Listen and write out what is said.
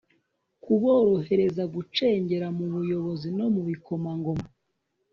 kuborohereza gucengera mu bayobozi no mu bikomangoma